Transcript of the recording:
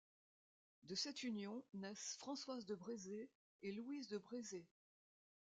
De cette union naissent Françoise de Brézé et Louise de Brézé.